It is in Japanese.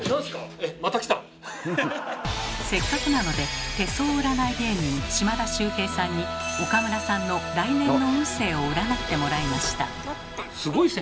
えっせっかくなので手相占い芸人島田秀平さんに岡村さんの来年の運勢を占ってもらいました。